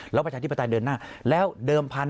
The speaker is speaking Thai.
แล้วประชานิตปฏิเดินหน้าแล้วเดิมพัน